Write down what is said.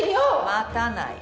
待たない。